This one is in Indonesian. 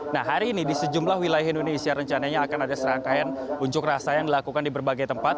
nah hari ini di sejumlah wilayah indonesia rencananya akan ada serangkaian unjuk rasa yang dilakukan di berbagai tempat